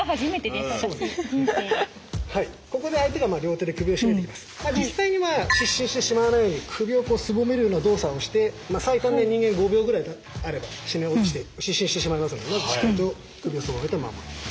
はいここで実際には失神してしまわないように首をすぼめるような動作をして最短で人間５秒ぐらいあれば絞め落ちて失神してしまいますのでしっかりと首をすぼめて守る。